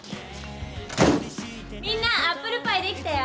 みんなアップルパイできたよ！